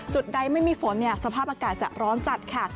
ใดไม่มีฝนสภาพอากาศจะร้อนจัดค่ะ